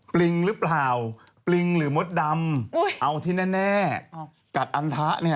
ปริงหรือเปล่าปริงหรือมดดำเอาที่แน่กัดอันทะเนี่ย